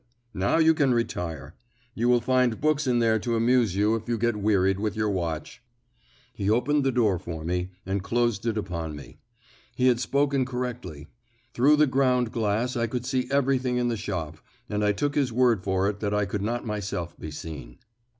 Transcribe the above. Now you can retire. You will find books in there to amuse you if you get wearied with your watch." He opened the door for me, and closed it upon me. He had spoken correctly. Through the ground glass I could see everything in the shop, and I took his word for it that I could not myself be seen.